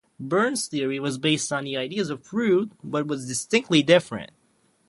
Berne's theory was based on the ideas of Freud but was distinctly different.